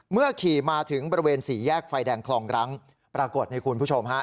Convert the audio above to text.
ขี่มาถึงบริเวณสี่แยกไฟแดงคลองรังปรากฏนี่คุณผู้ชมฮะ